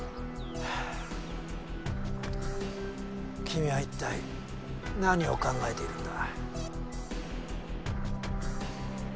君は一体何を考えているんだ？